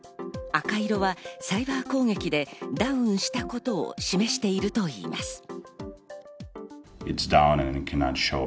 赤色はサイバー攻撃でダウンしたことを示しているといいます。